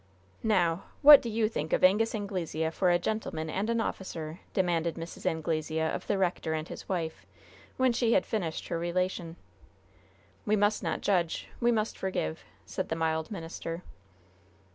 "Now! What do you think of Angus Anglesea for a gentleman and an officer?" demanded Mrs. Anglesea of the rector and his wife, when she had finished her relation. "We must not judge. We must forgive," said the mild minister.